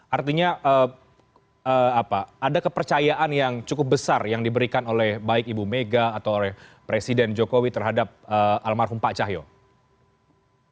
artinya ada kepercayaan yang cukup besar yang diberikan oleh baik ibu mega atau oleh presiden jokowi terhadap almarhum pak cahyo